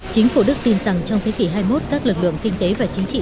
chính phủ đức tin rằng trong thế kỷ hai mươi một các lực lượng kinh tế và chính trị